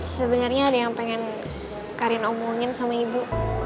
sebenarnya ada yang pengen karin omongin sama ibu